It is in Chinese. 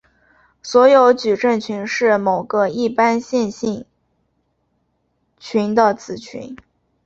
所有矩阵群是某个一般线性群的子群。